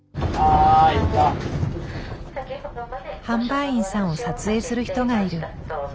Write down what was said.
販売員さんを撮影する人がいる。